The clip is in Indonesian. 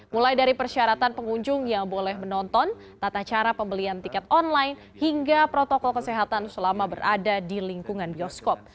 mulai dari persyaratan pengunjung yang boleh menonton tata cara pembelian tiket online hingga protokol kesehatan selama berada di lingkungan bioskop